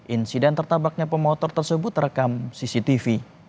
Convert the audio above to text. insiden tertabaknya pemotor tersebut terekam cctv